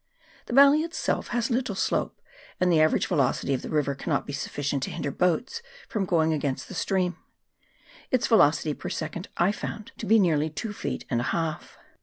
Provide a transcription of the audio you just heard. The valley itself has little slope, and the average velocity of the river cannot be sufficient to hinder boats from going against the stream : its velocity per second I found to be nearly two feet and a half.